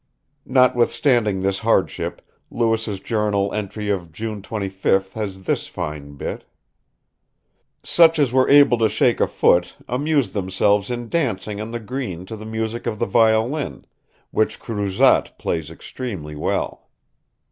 Notwithstanding this hardship, Lewis's journal entry of June 25th has this fine bit: "Such as were able to shake a foot amused themselves in dancing on the green to the music of the violin, which Cruzatte plays extremely well."